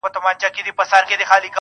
د دې لپاره چي ډېوه به یې راځي کلي ته,